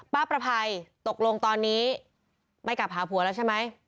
ประภัยตกลงตอนนี้ไม่กลับหาผัวแล้วใช่ไหม